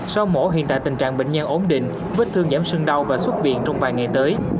sau mổ hiện tại tình trạng bệnh nhân ổn định vết thương giảm sưng đau và xuất viện trong vài ngày tới